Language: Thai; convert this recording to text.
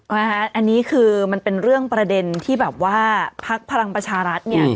อันนี้คือมันเป็นเรื่องประเด็นที่แบบว่าพักพลังประชารัฐเนี่ย